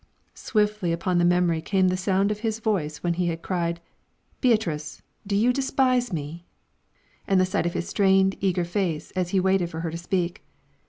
Swiftly upon the memory came the sound of his voice when he had cried, "Beatrice, do you despise me?" and the sight of his strained, eager face, as he waited for her to speak.